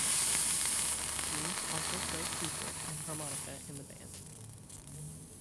Greaves also played keyboard and harmonica in the band.